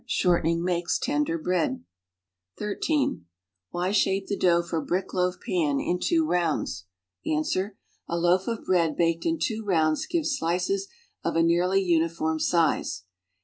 Shortening makes tender bread. (13) Why shape the dough for briek hjaf pan in two rounds? Ans. A loaf of bread baked ui Uvo rounds gi\es slices of a nearly uniform size.